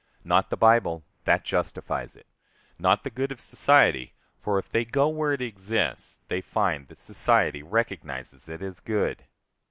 Not the Bible; that justifies it. Not the good of society; for, if they go where it exists, they find that society recognizes it as good.